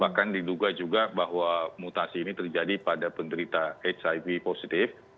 bahkan diduga juga bahwa mutasi ini terjadi pada penderita hiv positif